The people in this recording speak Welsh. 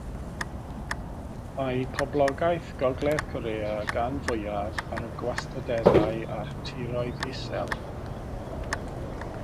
Mae poblogaeth Gogledd Corea gan fwyaf ar y gwastadeddau a'r tiroedd isel.